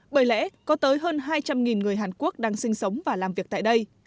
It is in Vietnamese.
bởi lẽ có tới hơn hai trăm linh người hàn quốc đang sinh sống và làm việc tại đây